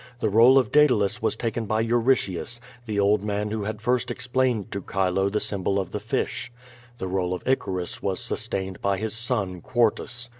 The role of Daedalus was taken by Euritius, the old man who had first explained to Chilo the symbol of the fish. The role of Icarus was sustained by his son, Quartus.